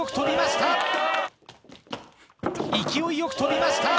勢いよく跳びました！